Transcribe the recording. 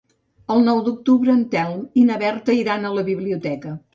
El nou d'octubre en Telm i na Berta iran a la biblioteca.